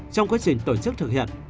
trong quá trình tổ chức thực hiện